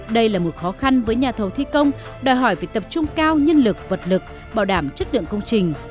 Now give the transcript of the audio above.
đây là một khó khăn với nhà thầu thi công đòi hỏi việc tập trung cao nhân lực vật lực bảo đảm chất lượng công trình